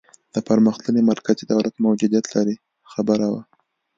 د پرمختللي مرکزي دولت موجودیت لرې خبره وه.